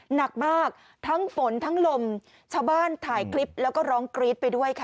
หนักมากทั้งฝนทั้งลมชาวบ้านถ่ายคลิปแล้วก็ร้องกรี๊ดไปด้วยค่ะ